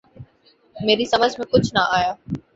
میری سمجھ میں کچھ نہ آیا